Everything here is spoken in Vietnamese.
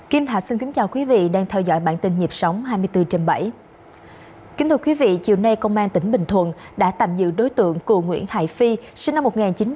chiều nay công an tỉnh bình thuận đã tạm dự đối tượng cụ nguyễn hải phi sinh năm một nghìn chín trăm tám mươi tám